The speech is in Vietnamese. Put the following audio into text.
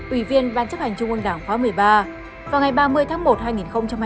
ủy viên ban chấp hành trung ương đảng khóa một mươi ba vào ngày ba mươi tháng một hai nghìn hai mươi